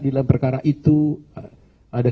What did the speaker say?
di dalam perkara itu ada